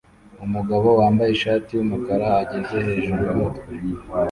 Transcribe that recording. Umugabo wambaye ishati yumukara ageze hejuru yumutwe